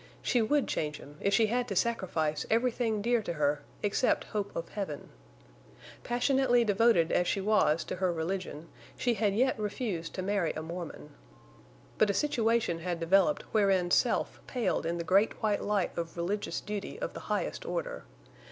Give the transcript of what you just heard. She would change him if she had to sacrifice everything dear to her except hope of heaven. Passionately devoted as she was to her religion, she had yet refused to marry a Mormon. But a situation had developed wherein self paled in the great white light of religious duty of the highest order.